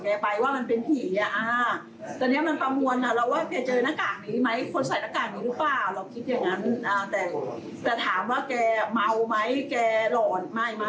แต่ถามว่าแกเมาไหมแกหล่อนไม่แกไม่ใช่คนอย่างนั้น